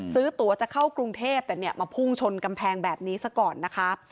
ซื้อตัวจะเข้ากรุงเทพแต่เนี่ยมาพุ่งชนกำแพงแบบนี้ซะก่อนนะคะ